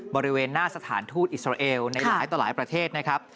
บริเวณหน้าสถานทูตอิสราเอลในหลายต่อหลายประเทศนะครับ